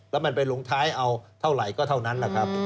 แล้วมันไปลงท้ายเอาเท่าไหร่ก็เท่านั้นแหละครับ